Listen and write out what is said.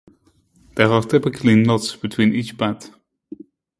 There are typically knots between each bead.